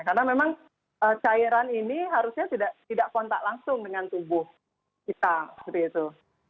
karena memang cairan ini harusnya tidak kontak langsung dengan tubuh kita seperti itu